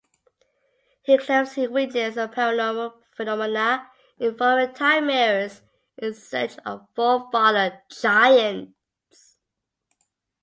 He claims he witnessed paranormal phenomena involving "time mirrors" in search of forefather "giants".